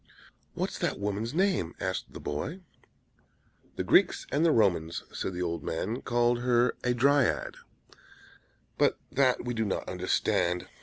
"What's that woman's name?" asked the little boy. "The Greeks and Romans," said the old man, "called her a Dryad; but that we do not understand.